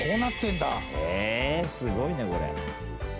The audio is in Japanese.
「へえすごいねこれ」